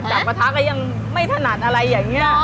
กระทะก็ยังไม่ถนัดอะไรอย่างนี้